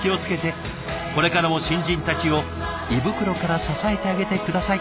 これからも新人たちを胃袋から支えてあげて下さい。